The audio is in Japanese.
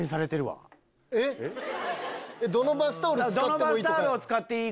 どのバスタオル使ってもいい。